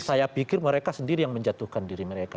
saya pikir mereka sendiri yang menjatuhkan diri mereka